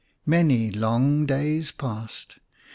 Many long days passed.